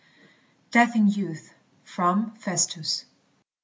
DEATH IN YOUTH. FROM "FESTUS."